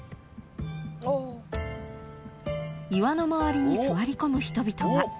［岩の周りに座りこむ人々が］